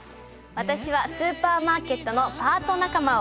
私はスーパーマーケットのパート仲間を。